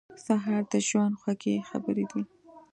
سهار د ژوند خوږې خبرې دي.